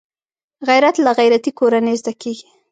غیرت له غیرتي کورنۍ زده کېږي